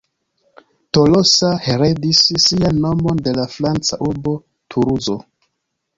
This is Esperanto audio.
Tolosa heredis sian nomon de la franca urbo Tuluzo.